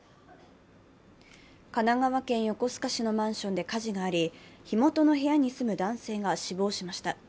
神奈川県横須賀市のマンションで火事があり、火元の部屋に住む男性が死亡しました。